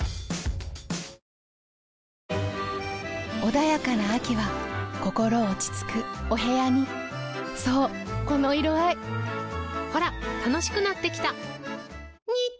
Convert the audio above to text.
穏やかな秋は心落ち着くお部屋にそうこの色合いほら楽しくなってきた！